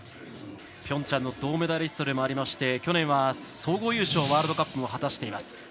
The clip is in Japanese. ピョンチャンの銅メダリストでもありまして去年は総合優勝ワールドカップで果たしています。